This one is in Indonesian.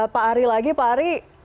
pak ari lagi pak ari